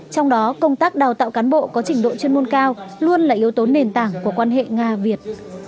trong đó công tác đào tạo cán bộ có trình độ chuyên môn cao luôn là yếu tố nền tảng của quan hệ nga việt